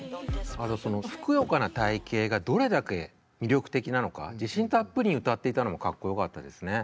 あとそのふくよかな体型がどれだけ魅力的なのか自信たっぷりに歌っていたのもかっこよかったですね。